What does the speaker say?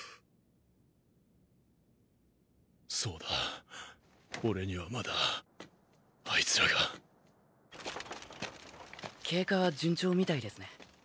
そうだ俺にはまだあいつらが。経過は順調みたいですね。